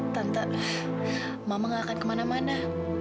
tante mama gak akan kemana mana